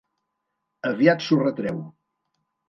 Aviat s'ho retreu.